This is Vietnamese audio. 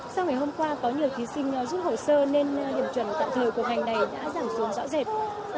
sau ngày hôm qua có nhiều thí sinh rút hồ sơ nên điểm chuẩn tạm thời của ngành này đã giảm xuống rõ rệt